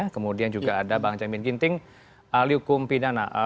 kemudian juga ada bang jamin ginting ahli hukum pidana